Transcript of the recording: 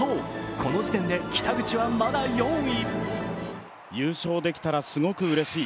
この時点で、北口はまだ４位。